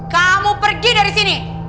kamu pergi dari sini